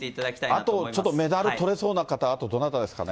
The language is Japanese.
あとちょっとメダルとれそうな方、あと、どなたですかね？